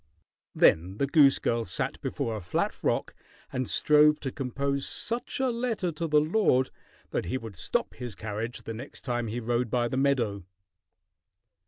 Then the goose girl sat before a flat rock and strove to compose such a letter to the lord that he would stop his carriage the next time he rode by the meadow.